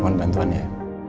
mohon bantuan ya